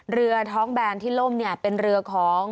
เรือท้องแบรนด์ที่ร่มเป็นเรือของ